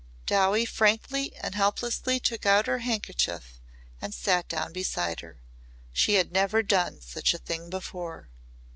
Dowie frankly and helplessly took out a handkerchief and sat down beside her. She had never done such a thing before.